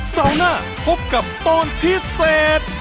เสาร์หน้าพบกับตอนพิเศษ